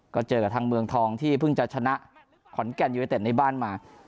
ก็เจอกับทางเมืองทองที่เพิ่งจะชนะขอนแก่นยูเนเต็ดในบ้านมา